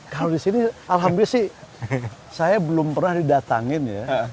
kalau di sini alhamdulillah sih saya belum pernah didatangin ya